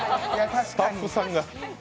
スタッフさんが。